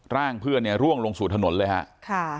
ร่างเพื่อนเนี่ยร่วงลงสู่ถนนเลยครับ